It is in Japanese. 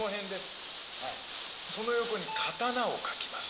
その横に「刀」を書きます。